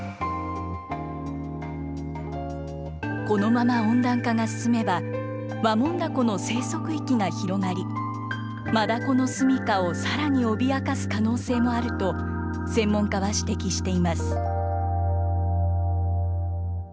このまま温暖化が進めば、ワモンダコの生息域が広がり、マダコの住みかをさらに脅かす可能性もあると、専門家は指摘しています。